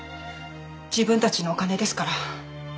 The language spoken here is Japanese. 自分たちのお金ですから。